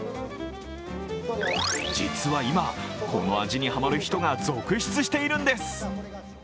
実は今、この味にハマる人が続出しているんです。